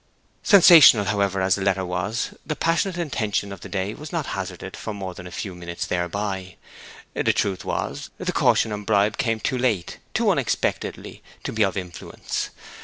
Sensational, however, as the letter was, the passionate intention of the day was not hazarded for more than a few minutes thereby. The truth was, the caution and bribe came too late, too unexpectedly, to be of influence.